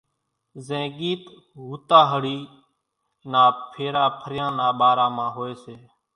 زين ڳيت ھوتاۿڙي نا ڦيرا ڦريان نا ٻارا مان ھوئي سي،